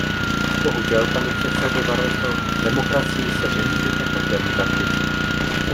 Bohužel, pane předsedo Barroso, v demokracii se nemůžete každému zavděčit.